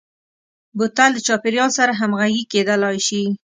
بوتل د چاپیریال سره همغږي کېدلای شي.